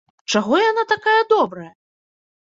Чаго яна такая добрая?